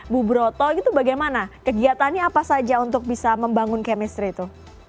bu broto itu bagaimana kegiatannya apa saja untuk bisa membangun chemistry itu